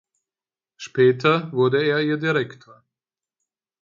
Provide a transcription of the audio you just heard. Später wurde er ihr Direktor.